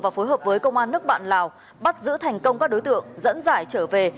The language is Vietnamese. và phối hợp với công an nước bạn lào bắt giữ thành công các đối tượng dẫn giải trở về